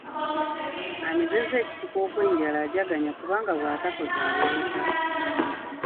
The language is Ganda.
Amezezza ekitiko okwenjala ajaganya kubanga bw’atakoza awuuta.